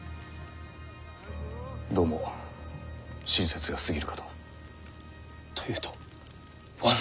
どうも親切が過ぎるかと。というと罠だと？